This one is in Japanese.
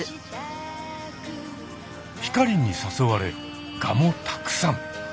光にさそわれガもたくさん。